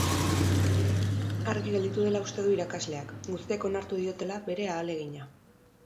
Argi gelditu dela uste du irakasleak, guztiek onartu diotela bere ahalegina.